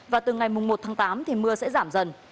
và từ ngày một tháng tám thì mưa sẽ giảm dần